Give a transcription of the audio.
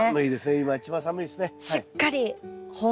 今一番寒いですね。